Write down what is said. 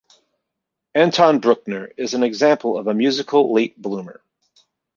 Anton Bruckner is an example of a musical late bloomer.